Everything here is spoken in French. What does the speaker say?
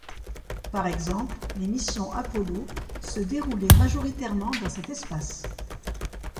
Par exemple, les missions Apollo se déroulaient majoritairement dans cet espace.